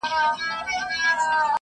نظم ورځنی چارې اسانوي.